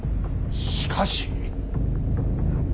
しかし。